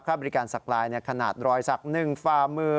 ข้าวบริการศักดิ์ลายขนาดรอยศักดิ์หนึ่งฝามือ